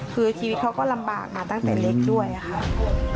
คือชีวิตเขาก็ลำบากมาตั้งแต่เล็กด้วยค่ะ